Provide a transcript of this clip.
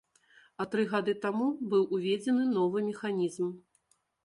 А тры гады таму быў уведзены новы механізм.